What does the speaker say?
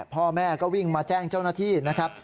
พ่อแม่ก็วิ่งมาแจ้งเจ้าหน้าที่นะครับ